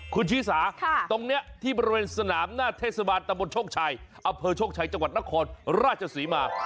คุณชีสาตรงนี้ที่บริเวณสนามหน้าเทศบาลตะบนโชคชัยอำเภอโชคชัยจังหวัดนครราชศรีมา